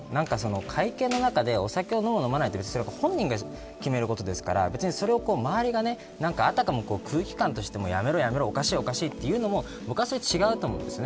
会見の中で、お酒を飲む飲まないと本人が決めることですからそれを周りがあたかも空気感としてやめろ、おかしいというのも昔と違うと思うんですね。